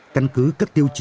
căn cứ các tiêu chí